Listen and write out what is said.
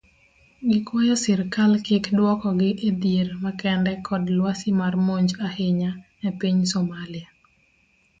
Gikwayo sirkal kik duokogi edhier makende kod lwasi mar monj ahinya epiny somalia.